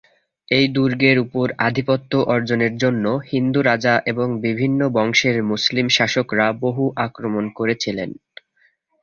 এই দুর্গের উপর আধিপত্য অর্জনের জন্য হিন্দু রাজা এবং বিভিন্ন বংশের মুসলিম শাসকরা বহু আক্রমণ করেছিলেন।